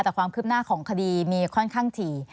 แต่ความคืบหน้าของคดีมีค่อนข้างถี่